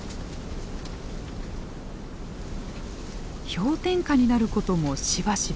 氷点下になることもしばしば。